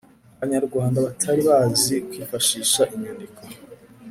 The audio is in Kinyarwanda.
abanyarwanda batari bazi kwifashisha inyandiko